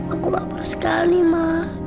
aku lapar sekali ma